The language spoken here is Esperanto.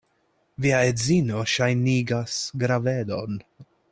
Via edzino ŝajnigas gravedon.